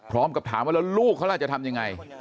พร้อมกับถามว่าแล้วลูกเขาล่ะจะทำยังไง